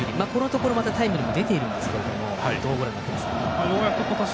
このところまたタイムリーも出ていますけどもどうご覧になっていますか。